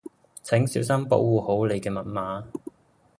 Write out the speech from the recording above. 請小心保護好你嘅密碼